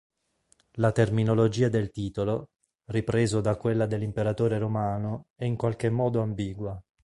La terminologia del titolo, ripreso da quella dell'imperatore romano, è in qualche modo ambigua.